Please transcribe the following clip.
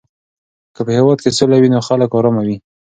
که په هېواد کې سوله وي نو خلک آرامه وي.